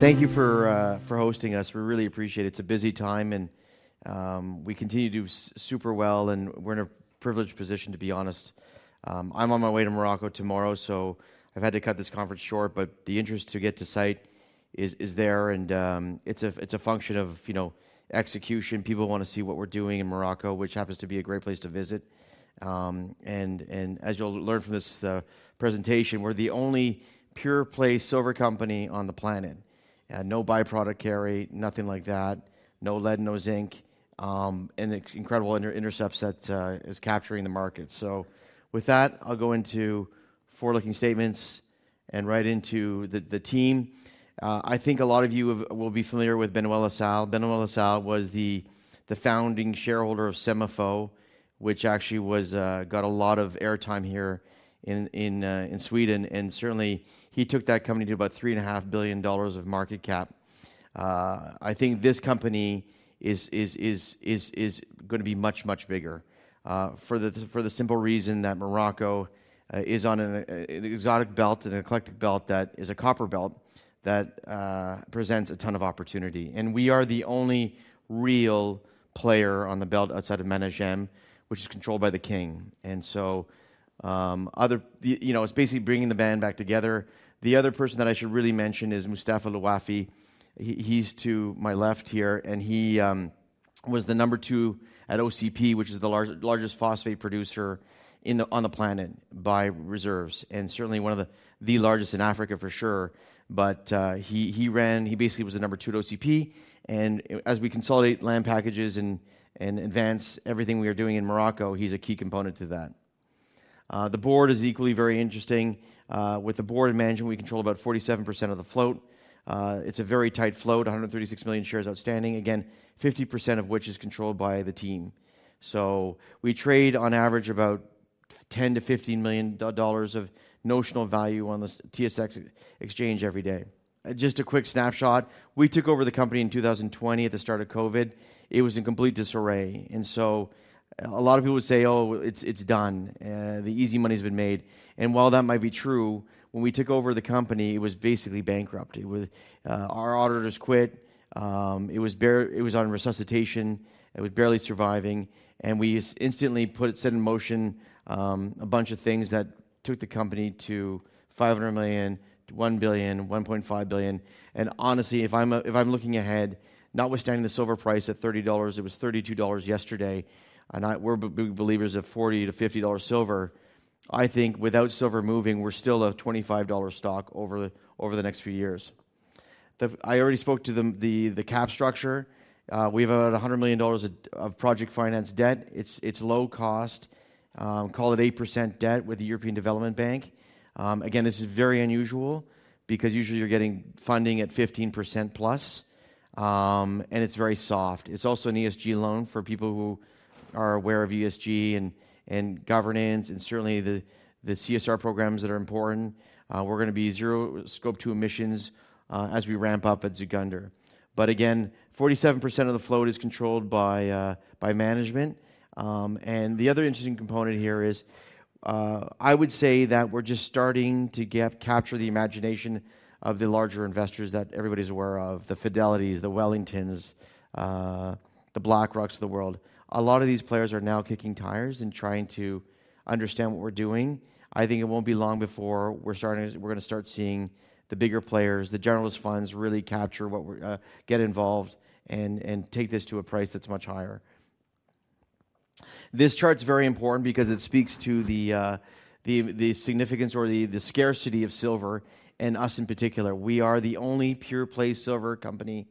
Thank you for hosting us. We really appreciate it. It's a busy time, and we continue to do super well, and we're in a privileged position, to be honest. I'm on my way to Morocco tomorrow, so I've had to cut this conference short, but the interest to get to site is there, and it's a function of, you know, execution. People want to see what we're doing in Morocco, which happens to be a great place to visit. As you'll learn from this presentation, we're the only pure-play silver company on the planet. No byproduct carry, nothing like that, no lead, no zinc, and incredible intercepts that is capturing the market. So with that, I'll go into forward-looking statements and right into the team. I think a lot of you will be familiar with Benoit La Salle. Benoit La Salle was the founding shareholder of SEMAFO, which actually got a lot of airtime here in Sweden, and certainly he took that company to about $3.5 billion of market cap. I think this company is going to be much bigger, for the simple reason that Morocco is on an exotic belt and an eclectic belt that is a copper belt that presents a ton of opportunity. We are the only real player on the belt outside of Managem, which is controlled by the king. So you know, it's basically bringing the band back together. The other person that I should really mention is Mustapha El Ouafi. He's to my left here, and he was the number two at OCP, which is the largest phosphate producer on the planet by reserves, and certainly one of the largest in Africa for sure, but he basically was the number two at OCP, and as we consolidate land packages and advance everything we are doing in Morocco, he's a key component to that. The board is equally very interesting. With the board and management, we control about 47% of the float. It's a very tight float, 136 million shares outstanding, again, 50% of which is controlled by the team. So we trade on average about 10 million- 15 million dollars of notional value on the TSX exchange every day. Just a quick snapshot. We took over the company in 2020 at the start of COVID. It was in complete disarray. A lot of people would say, "Oh, it's, it's done. The easy money's been made." While that might be true, when we took over the company, it was basically bankrupt. It was; our auditors quit. It was bare; it was on resuscitation. It was barely surviving. We instantly put set in motion a bunch of things that took the company to 500 million, 1 billion, 1.5 billion. Honestly, if I'm, if I'm looking ahead, notwithstanding the silver price at $30, it was $32 yesterday, and we're big believers of $40-$50 silver. I think without silver moving, we're still a $25 stock over the next few years. I already spoke to the cap structure. We have about $100 million of project finance debt. It's low cost; call it 8% debt with the European Development Bank. Again, this is very unusual because usually you're getting funding at 15%+, and it's very soft. It's also an ESG loan for people who are aware of ESG and governance, and certainly the CSR programs that are important. We're going to be zero Scope 2 emissions, as we ramp up at Zgounder. But again, 47% of the float is controlled by management. And the other interesting component here is, I would say that we're just starting to get to capture the imagination of the larger investors that everybody's aware of, the Fidelity's, the Wellington's, the BlackRock's of the world. A lot of these players are now kicking tires and trying to understand what we're doing. I think it won't be long before we're starting, we're going to start seeing the bigger players, the generalist funds really capture what we're, get involved and take this to a price that's much higher. This chart's very important because it speaks to the significance or the scarcity of silver and us in particular. We are the only pure-play silver company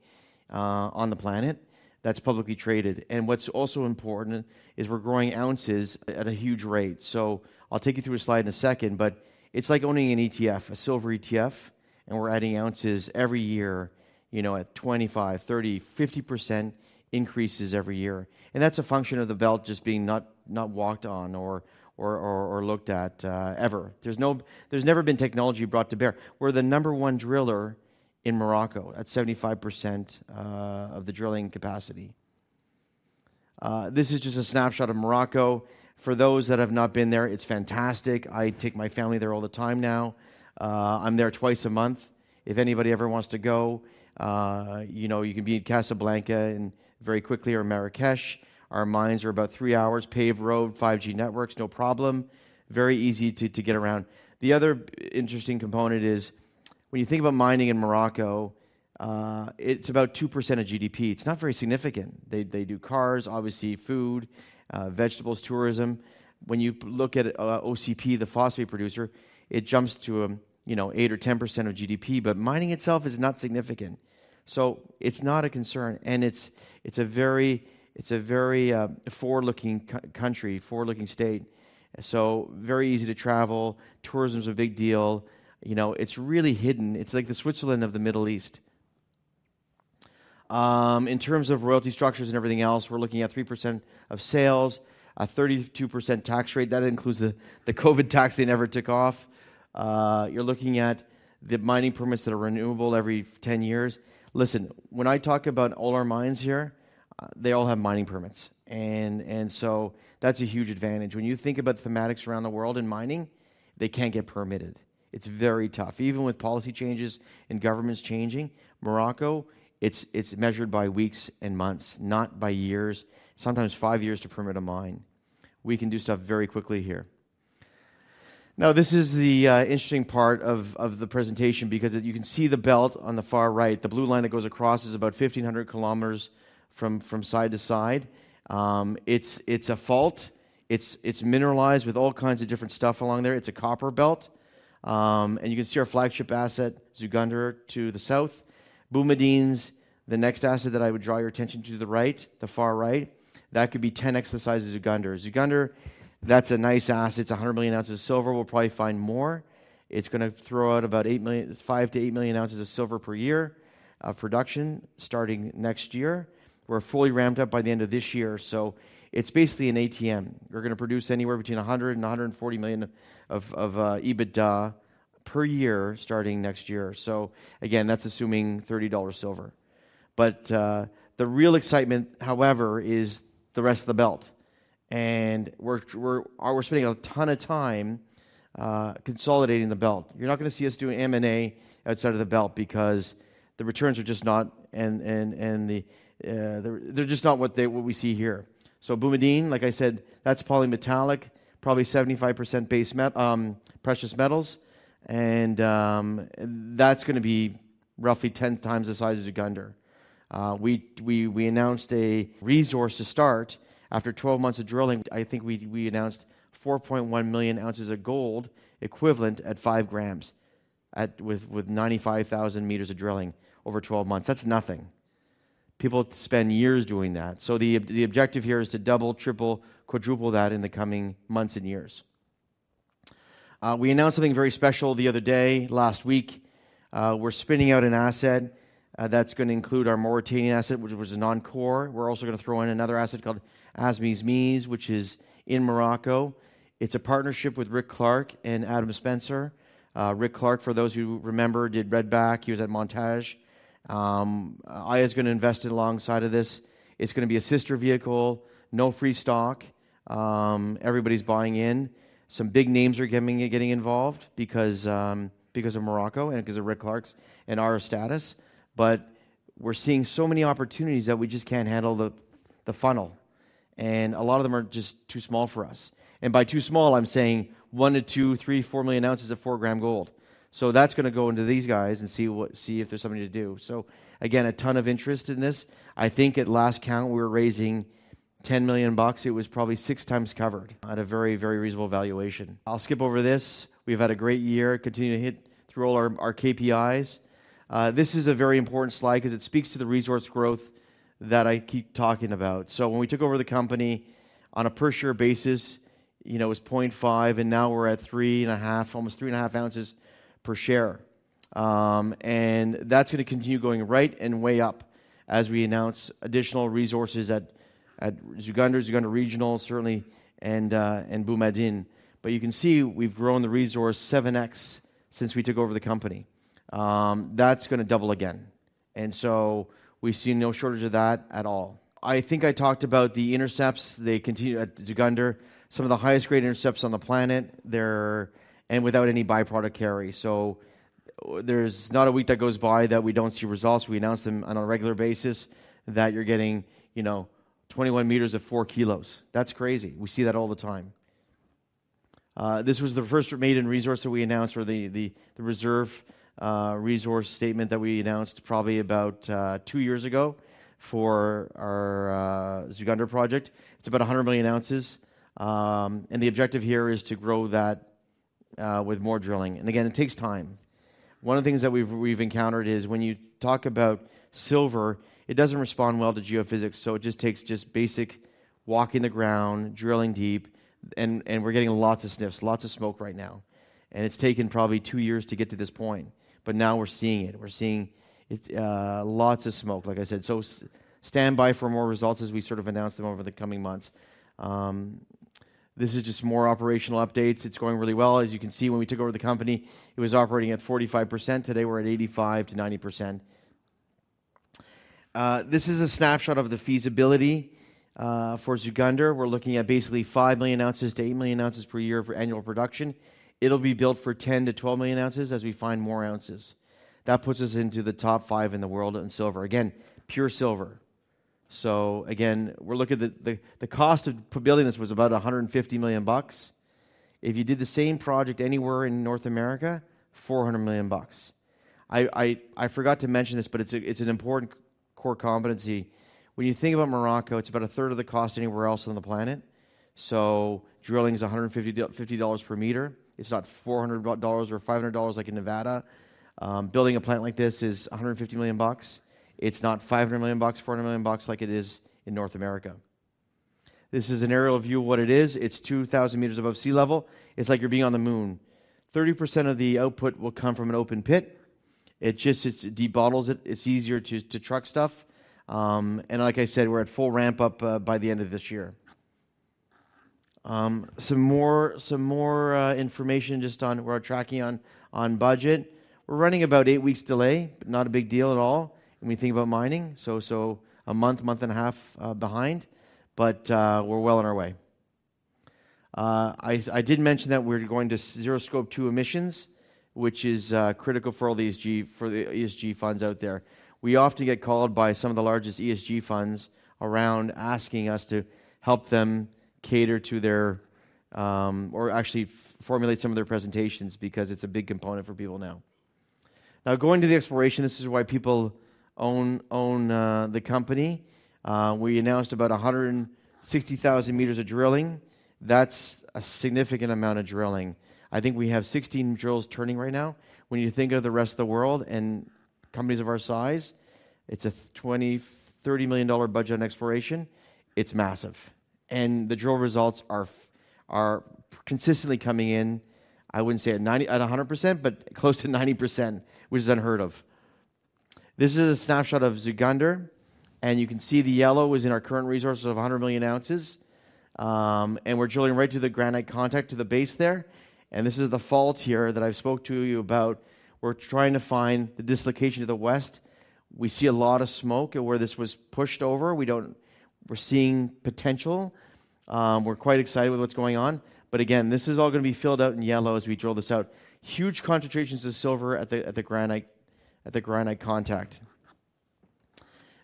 on the planet that's publicly traded. And what's also important is we're growing ounces at a huge rate. So I'll take you through a slide in a second, but it's like owning an ETF, a silver ETF, and we're adding ounces every year, you know, at 25%, 30%, 50% increases every year. And that's a function of the belt just being not walked on or looked at, ever. There's no, there's never been technology brought to bear. We're the number one driller in Morocco at 75% of the drilling capacity. This is just a snapshot of Morocco. For those that have not been there, it's fantastic. I take my family there all the time now. I'm there twice a month. If anybody ever wants to go, you know, you can be in Casablanca and very quickly or Marrakesh. Our mines are about three hours, paved road, 5G networks, no problem. Very easy to get around. The other interesting component is when you think about mining in Morocco, it's about 2% of GDP. It's not very significant. They do cars, obviously, food, vegetables, tourism. When you look at OCP, the phosphate producer, it jumps to a, you know, 8% or 10% of GDP, but mining itself is not significant. So it's not a concern. It's a very forward-looking country, forward-looking state. So very easy to travel. Tourism's a big deal. You know, it's really hidden. It's like the Switzerland of the Middle East. In terms of royalty structures and everything else, we're looking at 3% of sales, a 32% tax rate. That includes the COVID tax they never took off. You're looking at the mining permits that are renewable every 10 years. Listen, when I talk about all our mines here, they all have mining permits. And so that's a huge advantage. When you think about thematics around the world in mining, they can't get permitted. It's very tough. Even with policy changes and governments changing, Morocco. It's measured by weeks and months, not by years. Sometimes five years to permit a mine. We can do stuff very quickly here. Now, this is the interesting part of the presentation because you can see the belt on the far right. The blue line that goes across is about 1,500 kilometers from side to side. It's a fault. It's mineralized with all kinds of different stuff along there. It's a copper belt, and you can see our flagship asset, Zgounder to the south, Boumadine. The next asset that I would draw your attention to, to the right, the far right, that could be 10x the size of Zgounder. Zgounder, that's a nice asset. It's 100 million ounces of silver. We'll probably find more. It's going to throw out about 8 million, 5 million-8 million ounces of silver per year of production starting next year. We're fully ramped up by the end of this year. So it's basically an ATM. We're going to produce anywhere between 100 million and 140 million of EBITDA per year starting next year. So again, that's assuming $30 silver. But the real excitement, however, is the rest of the belt, and we're spending a ton of time consolidating the belt. You're not going to see us do an M&A outside of the belt because the returns are just not, and the, they're just not what they, what we see here. So Boumadine, like I said, that's polymetallic, probably 75% base, precious metals, and that's going to be roughly 10x the size of Zgounder. We announced a resource to start. After 12 months of drilling, I think we announced 4.1 million ounces of gold equivalent at 5 gm at with 95,000 m of drilling over 12 months. That's nothing. People spend years doing that. So the objective here is to double, triple, quadruple that in the coming months and years. We announced something very special the other day, last week. We're spinning out an asset, that's going to include our Mauritanian asset, which was a non-core. We're also going to throw in another asset called Amizmiz, which is in Morocco. It's a partnership with Rick Clark and Adam Spencer. Rick Clark, for those who remember, did Red Back. He was at Montage. Aya is going to invest alongside of this. It's going to be a sister vehicle, no free stock. Everybody's buying in. Some big names are getting involved because of Morocco and because of Rick Clark's and our status. But we're seeing so many opportunities that we just can't handle the funnel. And a lot of them are just too small for us. By too small, I'm saying 1 to 2, 3, 4 million ounces of 4 gm gold. So that's going to go into these guys and see what, see if there's something to do. So again, a ton of interest in this. I think at last count, we were raising 10 million bucks. It was probably 6x covered at a very, very reasonable valuation. I'll skip over this. We've had a great year. We continue to hit all our KPIs. This is a very important slide because it speaks to the resource growth that I keep talking about. So when we took over the company on a per share basis, you know, it was 0.5, and now we're at 3.5, almost 3.5 ounces per share. And that's going to continue going right and way up as we announce additional resources at, at Zgounder, Zgounder Regional, certainly, and, and Boumadine. But you can see we've grown the resource 7x since we took over the company. That's going to double again. And so we see no shortage of that at all. I think I talked about the intercepts. They continue at Zgounder, some of the highest grade intercepts on the planet. They're, and without any byproduct carry. So there's not a week that goes by that we don't see results. We announce them on a regular basis that you're getting, you know, 21 meters of 4 kg. That's crazy. We see that all the time. This was the first maiden resource that we announced or the resource statement that we announced probably about two years ago for our Zgounder project. It's about 100 million ounces. The objective here is to grow that, with more drilling. And again, it takes time. One of the things that we've encountered is when you talk about silver, it doesn't respond well to geophysics. So it just takes basic walking the ground, drilling deep, and we're getting lots of sniffs, lots of smoke right now. And it's taken probably two years to get to this point. But now we're seeing it. We're seeing it, lots of smoke, like I said. So stand by for more results as we sort of announce them over the coming months. This is just more operational updates. It's going really well. As you can see, when we took over the company, it was operating at 45%. Today we're at 85%-90%. This is a snapshot of the feasibility for Zgounder. We're looking at basically 5-8 million ounces per year for annual production. It'll be built for 10-12 million ounces as we find more ounces. That puts us into the top five in the world in silver. Again, pure silver. So again, we're looking at the cost of building this was about $150 million. If you did the same project anywhere in North America, $400 million. I forgot to mention this, but it's an important core competency. When you think about Morocco, it's about a third of the cost anywhere else on the planet. So drilling is $150 per meter. It's not $400 or $500 like in Nevada. Building a plant like this is $150 million. It's not $500 million, $400 million like it is in North America. This is an aerial view of what it is. It's 2,000 meters above sea level. It's like you're being on the moon. 30% of the output will come from an open pit. It just, it's de-bottlenecks it. It's easier to truck stuff. And like I said, we're at full ramp up by the end of this year. Some more information just on what we're tracking on budget. We're running about eight weeks delay, but not a big deal at all when we think about mining. So, a month and a half behind. But, we're well on our way. I did mention that we're going to zero Scope 2 emissions, which is critical for all the ESG funds out there. We often get called by some of the largest ESG funds around asking us to help them cater to their, or actually formulate some of their presentations because it's a big component for people now. Now, going to the exploration, this is why people own the company. We announced about 160,000 meters of drilling. That's a significant amount of drilling. I think we have 16 drills turning right now. When you think of the rest of the world and companies of our size, it's a $20 million-$30 million budget on exploration. It's massive. And the drill results are consistently coming in. I wouldn't say at 90%-100%, but close to 90%, which is unheard of. This is a snapshot of Zgounder, and you can see the yellow is in our current resources of 100 million ounces. And we're drilling right to the granite contact to the base there. And this is the fault here that I've spoke to you about. We're trying to find the dislocation to the west. We see a lot of smoke at where this was pushed over. We don't, we're seeing potential. We're quite excited with what's going on. But again, this is all going to be filled out in yellow as we drill this out. Huge concentrations of silver at the, at the granite, at the granite contact.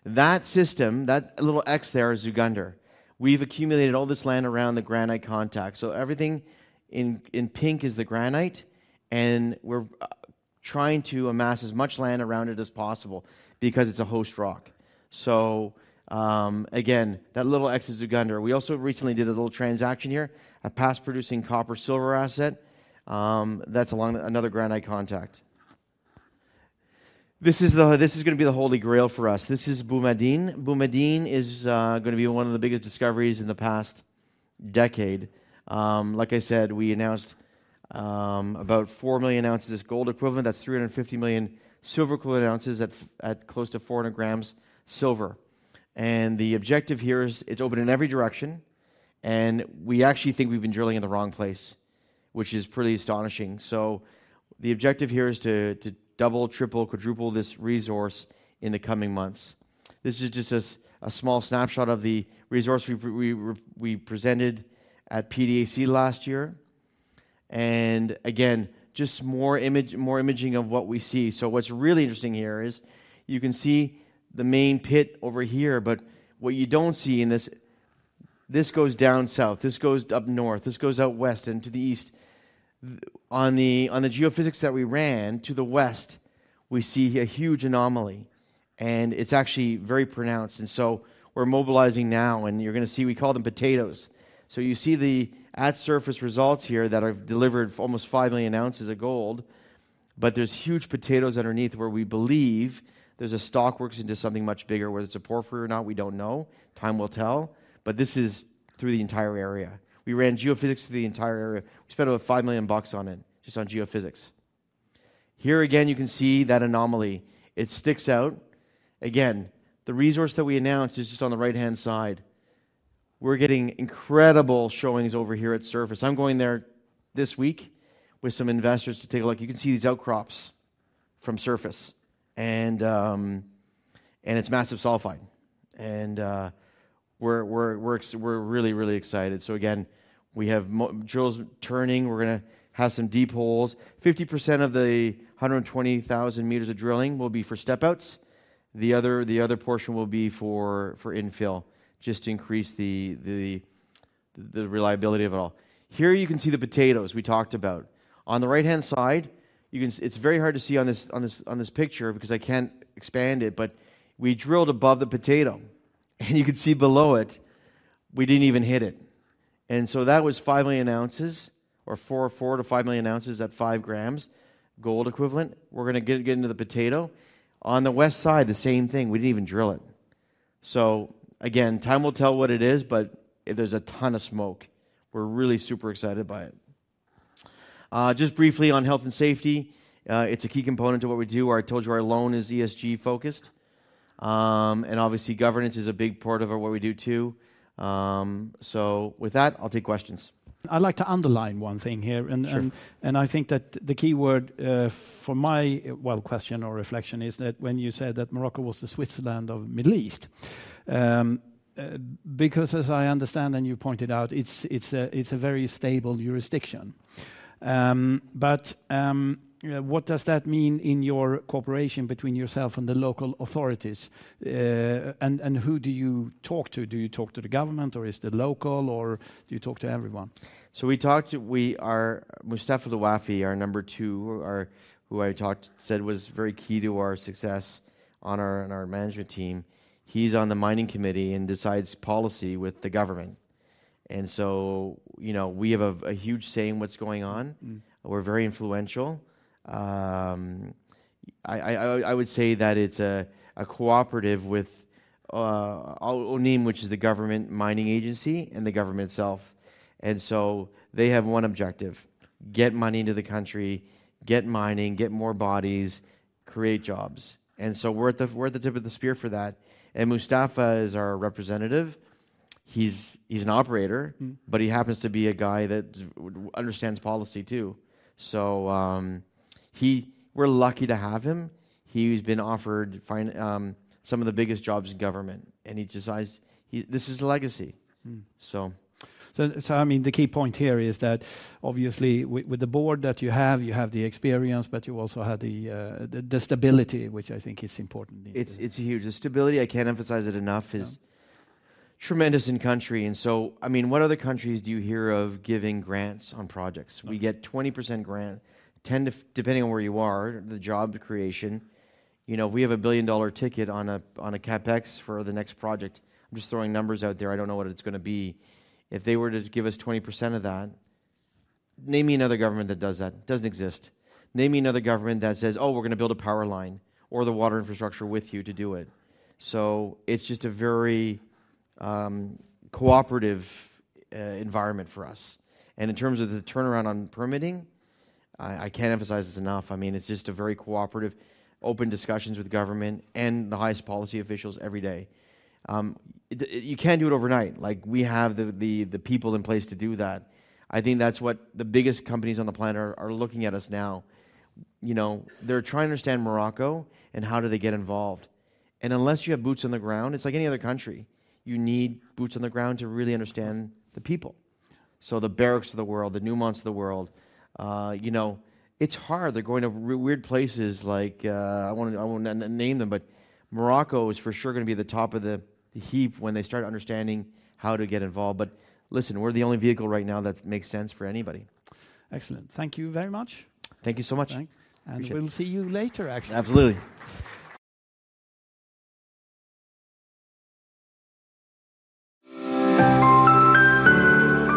That system, that little X there, is Zgounder. We've accumulated all this land around the granite contact. So everything in, in pink is the granite, and we're trying to amass as much land around it as possible because it's a host rock. So, again, that little X is Zgounder. We also recently did a little transaction here at past-producing copper-silver asset. That's along another granite contact. This is the—this is going to be the holy grail for us. This is Boumadine. Boumadine is going to be one of the biggest discoveries in the past decade. Like I said, we announced about four million ounces of gold equivalent. That's 350 million silver equivalent ounces at close to 400 gm silver. The objective here is it's open in every direction. We actually think we've been drilling in the wrong place, which is pretty astonishing. The objective here is to double, triple, quadruple this resource in the coming months. This is just a small snapshot of the resource we presented at PDAC last year. Again, just more image, more imaging of what we see. So what's really interesting here is you can see the main pit over here, but what you don't see in this, this goes down south, this goes up north, this goes out west, and to the east. On the geophysics that we ran to the west, we see a huge anomaly, and it's actually very pronounced. And so we're mobilizing now, and you're going to see we call them potatoes. So you see the at surface results here that have delivered almost 5 million ounces of gold, but there's huge potatoes underneath where we believe there's a stock that works into something much bigger, whether it's a porphyry or not, we don't know. Time will tell, but this is through the entire area. We ran geophysics through the entire area. We spent about $5 million on it, just on geophysics. Here again, you can see that anomaly. It sticks out. Again, the resource that we announced is just on the right-hand side. We're getting incredible showings over here at surface. I'm going there this week with some investors to take a look. You can see these outcrops from surface, and it's massive sulfide. And we're really excited. So again, we have drills turning. We're going to have some deep holes. 50% of the 120,000 meters of drilling will be for step-outs. The other portion will be for infill, just to increase the reliability of it all. Here you can see the potatoes we talked about. On the right-hand side, it's very hard to see on this picture because I can't expand it, but we drilled above the potato and you can see below it, we didn't even hit it. That was 5 million ounces or 4-5 million ounces at 5 gm gold equivalent. We're going to get into the potato. On the west side, the same thing. We didn't even drill it. Time will tell what it is, but there's a ton of smoke. We're really super excited by it. Just briefly on health and safety, it's a key component to what we do. I told you our loan is ESG-focused. Obviously, governance is a big part of what we do too. With that, I'll take questions. I'd like to underline one thing here. I think that the key word, for my well, question or reflection is that when you said that Morocco was the Switzerland of the Middle East, because as I understand and you pointed out, it's a very stable jurisdiction. But what does that mean in your cooperation between yourself and the local authorities? And who do you talk to? Do you talk to the government or is the local or do you talk to everyone? We have Mustapha El Ouafi, our number two, who I said was very key to our success on our management team. He's on the mining committee and decides policy with the government. And so, you know, we have a huge say in what's going on. We're very influential. I would say that it's a cooperative with ONHYM, which is the government mining agency and the government itself. And so they have one objective: get money into the country, get mining, get more bodies, create jobs. And so we're at the tip of the spear for that. Mustapha is our representative. He's an operator, but he happens to be a guy that understands policy too. So, we're lucky to have him. He's been offered fine, some of the biggest jobs in government, and he decides this is a legacy. I mean, the key point here is that obviously with the board that you have, you have the experience, but you also have the stability, which I think is important. It's huge. The stability, I can't emphasize it enough, is tremendous in country. I mean, what other countries do you hear of giving grants on projects? We get 20% grant, 10% depending on where you are, the job creation. You know, if we have a $1 billion ticket on a CapEx for the next project, I'm just throwing numbers out there. I don't know what it's going to be. If they were to give us 20% of that, name me another government that does that. Doesn't exist. Name me another government that says, oh, we're going to build a power line or the water infrastructure with you to do it. So it's just a very cooperative environment for us, and in terms of the turnaround on permitting, I can't emphasize this enough. I mean, it's just a very cooperative, open discussions with government and the highest policy officials every day. You can't do it overnight. Like, we have the people in place to do that. I think that's what the biggest companies on the planet are looking at us now. You know, they're trying to understand Morocco and how do they get involved, and unless you have boots on the ground, it's like any other country. You need boots on the ground to really understand the people. So the Barricks of the world, the Newmonts of the world, you know, it's hard. They're going to weird places like, I want to, I want to name them, but Morocco is for sure going to be the top of the heap when they start understanding how to get involved. But listen, we're the only vehicle right now that makes sense for anybody. Excellent. Thank you very much. Thank you so much. And we'll see you later, actually. Absolutely.